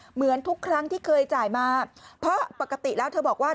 เหมือนทุกครั้งที่เคยจ่ายมาเพราะปกติแล้วเธอบอกว่า